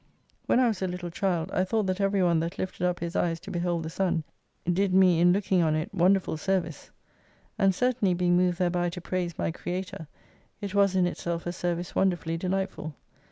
When I was a little child, I thought that everyone that lifted up his eyes to behold the sun, did me in look ing on it, wonderful service. And certainly being moved thereby to praise my Creator, it was in itself a service wonderfully delightful.